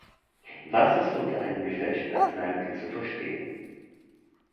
Was ist unter einem gefälschten Arzneimittel zu verstehen?